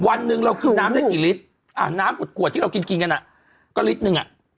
วันหนึ่งเราขึ้นน้ำได้กี่ลิตรน้ำขวดที่เรากินกินกันอ่ะก็ลิตรหนึ่งอ่ะ